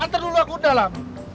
antar dulu aku dalam